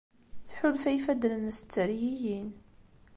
Tḥulfa i yifadden-nnes ttergigin.